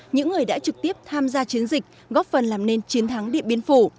những người đã trực tiếp tham gia chiến dịch góp phần làm nên chiến thắng điện biên phủ